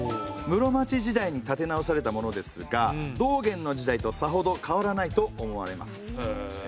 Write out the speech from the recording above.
室町時代に建て直されたものですが道元の時代とさほど変わらないと思われます。